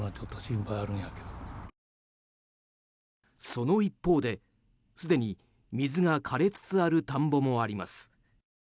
その一方ですでに水が枯れつつある田んぼもあります。